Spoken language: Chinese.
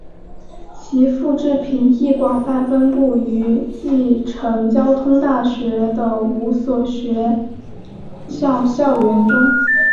其复制品亦广泛分布于继承交通大学的五所学校校园中。